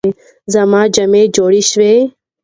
زما جامې جوړې شوې؟